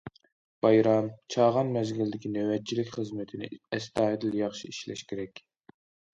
بايرام، چاغان مەزگىلىدىكى نۆۋەتچىلىك خىزمىتىنى ئەستايىدىل ياخشى ئىشلەش كېرەك.